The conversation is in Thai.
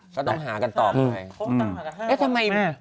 พบตั้งตั้งแต่๕คนแม่